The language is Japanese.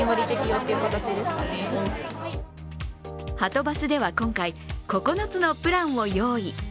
はとバスでは今回、９つのプランを用意。